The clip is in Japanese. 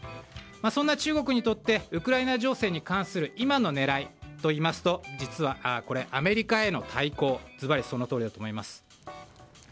そんな中国にとってウクライナ情勢に関する今の狙いといいますと、実はアメリカへの対抗、ずばりそのとおりだと思います。